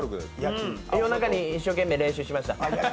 夜中に一生懸命練習しました。